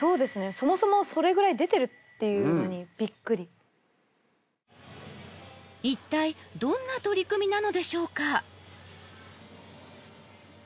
そもそもそれぐらい出てるっていうのにびっくりいったいどんな取り組みなのでしょうか？